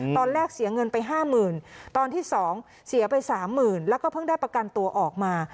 ตอนแรกเสียเงินไป๕๐๐๐ตอนที่๒เสียไป๓๐๐๐แล้วก็เพิ่งได้ประกันตัวออกมา